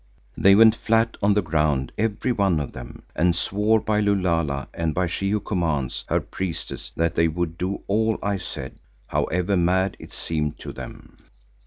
They went flat on the ground, every one of them, and swore by Lulala and by She who commands, her priestess, that they would do all I said, however mad it seemed to them.